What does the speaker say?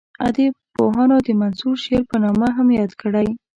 ادبپوهانو د منثور شعر په نامه هم یاد کړی.